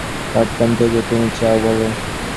কিন্তু আমি বলতে চাচ্ছি, আমরা পারতাম যদি তুমিও চাও।